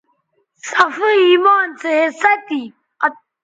صفائ ایمان سو حصہ تھی